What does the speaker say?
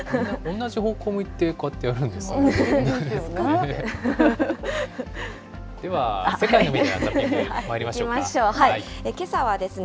同じ方向向いてこうやってやるんですね。